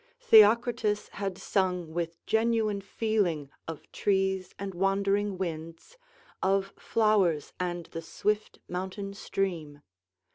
Theocritus had sung with genuine feeling of trees and wandering winds, of flowers and the swift mountain stream.